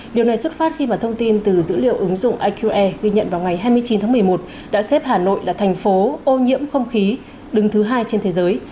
điều này xuất phát khi mà thông tin từ dữ liệu ứng dụng iqr ghi nhận vào ngày hai mươi chín tháng một mươi một đã xếp hà nội là thành phố ô nhiễm không khí đứng thứ hai trên thế giới